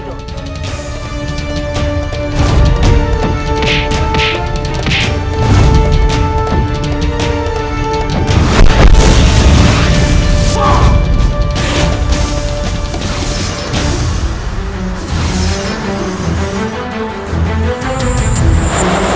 sampai jumpa lagi